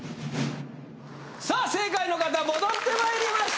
さあ正解の方戻ってまいりました